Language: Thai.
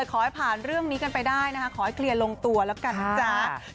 ก็เป็นกำลังใจให้กับพี่กัลละกันนะคะ